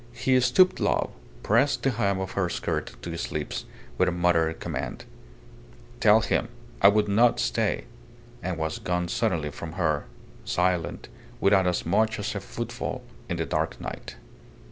He stooped low, pressed the hem of her skirt to his lips, with a muttered command "Tell him I would not stay," and was gone suddenly from her, silent, without as much as a footfall in the dark night.